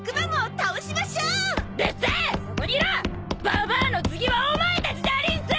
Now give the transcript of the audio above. ババアの次はお前たちでありんす！